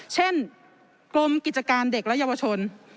เช่นกรมกิจการเด็กและเยาวชน